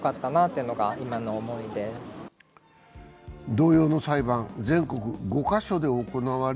同様の裁判、全国５か所で行われ